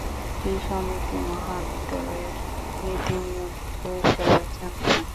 এই সমিতি মহাবিদ্যালয়ের নীতি নিয়ম ও পরীক্ষার আয়োজন করে।